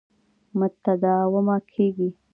متداومه کېږي.